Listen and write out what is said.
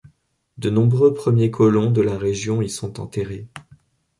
De nombreux premiers colons de la région y sont enterrés.